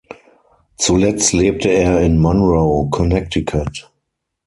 Zuletzt lebte er in Monroe, Connecticut.